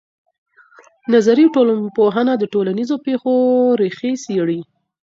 نظري ټولنپوهنه د ټولنیزو پېښو ریښې څېړي.